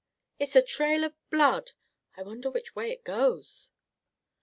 It is a trail of blood. I wonder which way it goes?"